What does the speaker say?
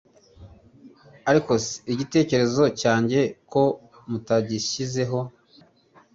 Ariko c igitekerezo cyanjye ko mutagishyizeho